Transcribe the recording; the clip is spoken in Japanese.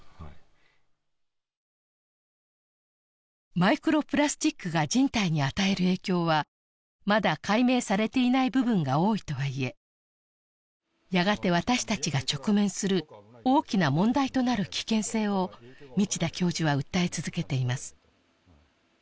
マイクロプラスチックが人体に与える影響はまだ解明されてない部分が多いとはいえやがて私たちが直面する大きな問題となる危険性を道田教授は訴え続けています